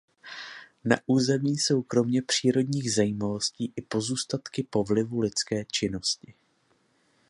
Na území jsou kromě přírodních zajímavostí i pozůstatky po vlivu lidské činnosti.